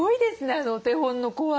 あのお手本の子は。